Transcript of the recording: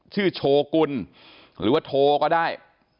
ชื่อโชว์กุลหรือว่าโทก็ได้